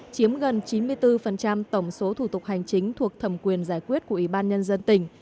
chiếm gần chín mươi bốn tổng số thủ tục hành chính thuộc thẩm quyền giải quyết của ủy ban nhân dân tỉnh